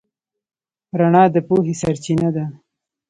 رڼا د پوهې سرچینه ده.